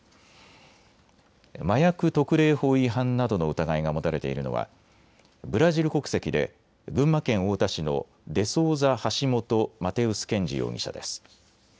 麻薬特例法違反などの疑いが持たれているのはブラジル国籍で群馬県太田市のデ・ソウザ・ハシモト・マテウス・ケンジ容疑者です。